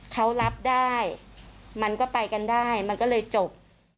เขารับได้มันก็ไปกันได้มันก็เลยจบ